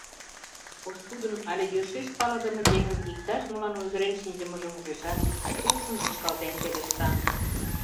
Пошкудын але йӧршеш палыдыме еҥын иктаж-молан ойгырен шинчымыжым ужешат, тупшым вӱчкалтен пелешта: